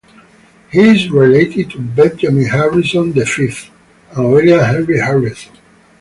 He is related to Benjamin Harrison the Fifth and William Henry Harrison.